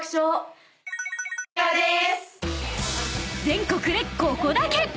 ［全国でここだけ！］